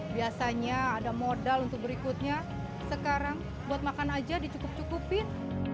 biasanya ada modal untuk berikutnya sekarang buat makan aja dicukup cukupin